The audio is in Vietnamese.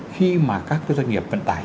khi mà các doanh nghiệp vận tải